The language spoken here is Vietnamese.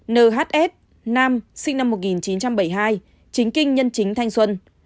một nhf nam sinh năm một nghìn chín trăm bảy mươi hai chính kinh nhân chính thanh xuân